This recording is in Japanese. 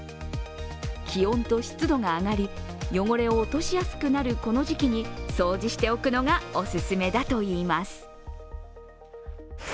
気温と湿度が上がり、汚れを落としやすくなるこの時期に掃除しておくのがお勧めだといいます。